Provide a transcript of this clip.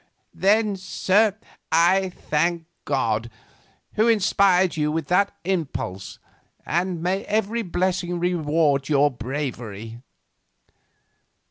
"Then, sir, I thank God, who inspired you with that impulse, and may every blessing reward your bravery."